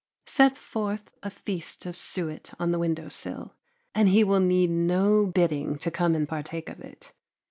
Set forth a feast of suet on the window sill, and he will need no bidding to come and partake of it.